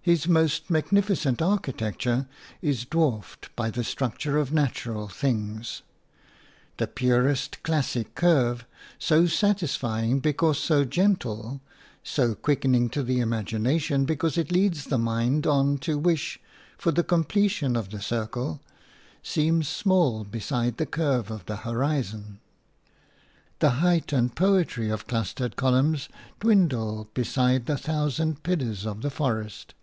His most magnificent architecture is dwarfed by the structure of natural things. The purest classic curve – so satisfying because so gentle, so quickening to the imagination because it leads the mind on to wish for the completion of the circle – seems small beside the curve of the horizon. The height and poetry of clustered columns dwindle beside the thousand pillars of the forest.